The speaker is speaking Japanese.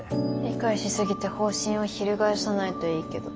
理解しすぎて方針を翻さないといいけど。